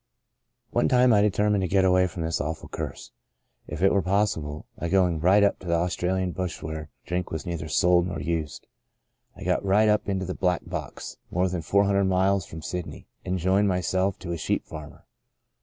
" One time I determined to get away from this awful curse, if it were possible, by go ing right up into the Australian bush where drink was neither sold nor used. I got right up into the * back blocks,' more than four hundred miles from Sydney, and joined my self to a sheep farmer.